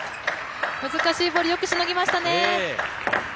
難しいボールよくしのぎましたね。